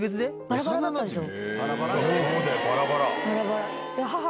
バラバラだったんですよ。